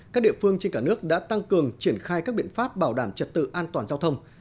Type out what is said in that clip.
các địa phương trên cả nước đã tăng cường triển khai các biện pháp bảo đảm trật tự an toàn giao thông